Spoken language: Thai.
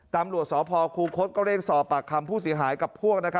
ตามหลวงศาลพอร์ครูโค๊ตก็เร่งสอบปากคำผู้เสียหายกับพวก